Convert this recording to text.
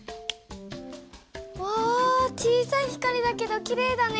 小さい光だけどきれいだね。